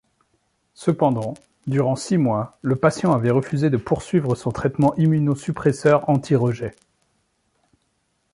Cependant, durant six mois, le patient avait refusé de poursuivre son traitement Immunosuppresseur anti-rejet.